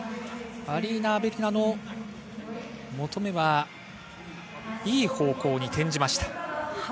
アリーナ・アベリナの求めは、いい方向に転じました。